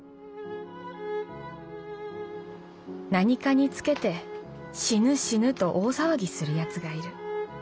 「何かにつけて『死ぬ死ぬ』と大騒ぎするヤツがいる。